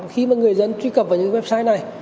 khi người dân truy cập vào những website này